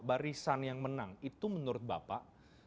barisan yang menang itu menurut bapak